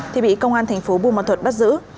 thì bị công an thành phố buôn ma thuật bắt giữ